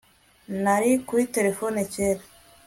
Nari kuri terefone cyera